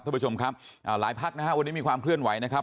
ท่านผู้ชมครับหลายพักนะฮะวันนี้มีความเคลื่อนไหวนะครับ